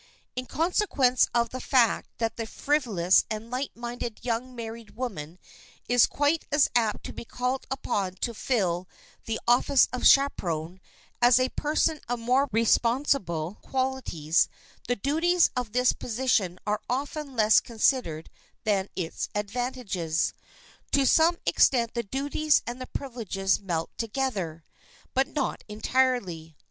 In consequence of the fact that the frivolous and light minded young married woman is quite as apt to be called upon to fill the office of chaperon as a person of more responsible qualities, the duties of this position are often less considered than its advantages. To some extent the duties and the privileges melt together, but not entirely.